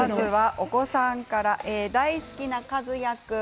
お子さんから大好きな和也君。